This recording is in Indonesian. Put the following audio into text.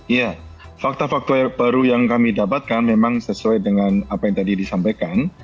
iya fakta fakta baru yang kami dapatkan memang sesuai dengan apa yang tadi disampaikan